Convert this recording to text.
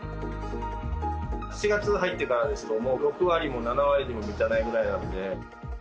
７月入ってからですと、もう６割にも７割にも満たないぐらいなんで。